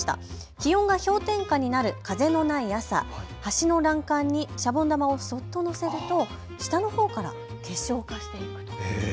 気温が氷点下になる風のない朝、橋の欄干にシャボン玉をそっと乗せると下のほうから結晶化していきます。